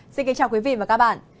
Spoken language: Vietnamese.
xin kính chào quý vị và các bạn